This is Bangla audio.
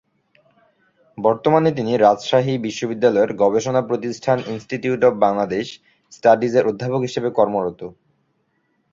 বর্তমানে তিনি রাজশাহী বিশ্ববিদ্যালয়ের গবেষণা-প্রতিষ্ঠান ইন্সটিটিউট অব বাংলাদেশ স্টাডিজ-এর অধ্যাপক হিসেবে কর্মরত।